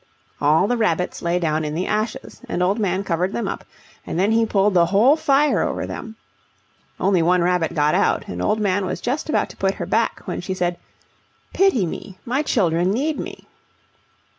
All the rabbits lay down in the ashes, and Old Man covered them up, and then he pulled the whole fire over them. One old rabbit got out, and Old Man was just about to put her back when she said, "Pity me; my children need me."